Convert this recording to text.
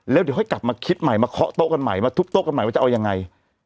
แล้วเดี๋ยวค่อยกลับมาคิดใหม่มาเคาะโต๊ะกันใหม่มาทุบโต๊ะกันใหม่ว่าจะเอายังไง